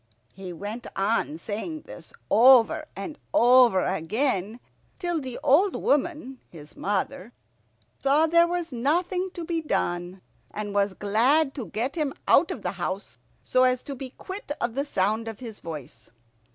He went on saying this over and over again, till the old woman his mother saw there was nothing to be done, and was glad to get him out of the house so as to be quit of the sound of his voice.